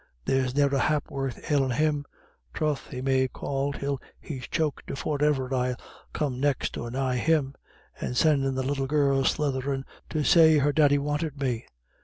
There's ne'er a hap'orth ailin' him. Troth he may call till he's choked afore iver I'll come next or nigh him. And sendin' the little girl slutherin' to say her daddy wanted me.